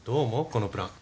このプラン。